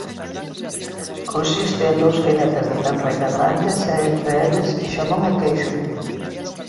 Consiste en dous filetes de tenreira grandes e entre eles xamón e queixo.